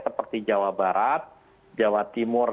seperti jawa barat jawa timur